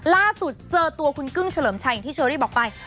ล่าสุดเจอตัวคุณกึ้งเฉลิมชัยอย่างที่เชอรี่บอกไป